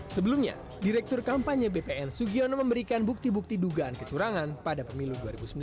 sebelumnya direktur kampanye bpn sugiono memberikan bukti bukti dugaan kecurangan pada pemilu dua ribu sembilan belas